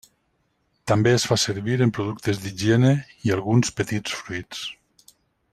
També es fa servir en productes d'higiene i alguns petits fruits.